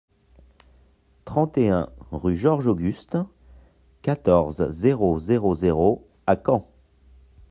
trente et un rue Georges Auguste, quatorze, zéro zéro zéro à Caen